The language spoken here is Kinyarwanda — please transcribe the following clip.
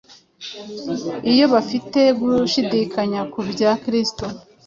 iyo bafite gushidikanya ku bya Kristo,